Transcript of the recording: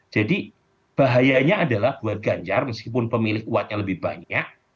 bahayanya adalah buat ganjar meskipun pemilih kuatnya lebih banyak